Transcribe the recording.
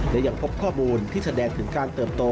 และยังพบข้อมูลที่แสดงถึงการเติบโต